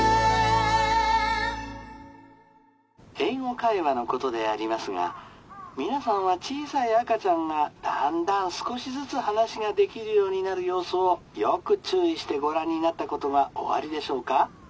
・「英語会話のことでありますが皆さんは小さい赤ちゃんがだんだん少しずつ話ができるようになる様子をよく注意してご覧になったことがおありでしょうか？